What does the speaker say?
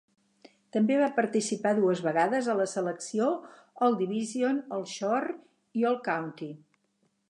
També va participar dues vegades a la selecció All-Division, All-Shore i All-County.